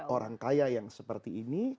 orang kaya yang seperti ini